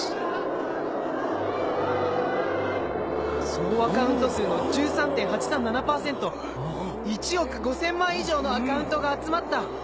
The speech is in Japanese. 総アカウント数の１３．８３７％１億５千万以上のアカウントが集まった！